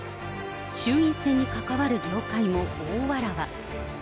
衆院選に関わる業界も大わらわ。